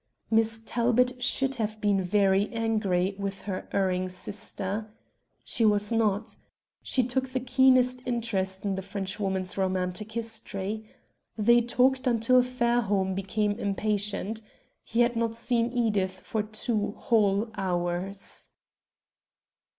Miss Talbot should have been very angry with her erring sister. She was not. She took the keenest interest in the Frenchwoman's romantic history. They talked until Fairholme became impatient. He had not seen Edith for two whole hours.